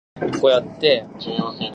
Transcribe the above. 行政調査権と住居の不可侵